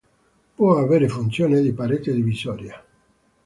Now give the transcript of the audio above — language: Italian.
Può avere funzione di parete divisoria.